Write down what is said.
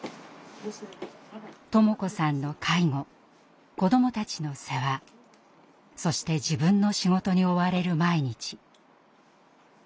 智子さんの介護子どもたちの世話そして自分の仕事に追われる毎日。